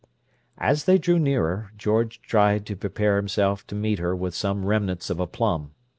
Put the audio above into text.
As they drew nearer, George tried to prepare himself to meet her with some remnants of aplomb.